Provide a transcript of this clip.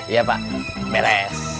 iya pak beres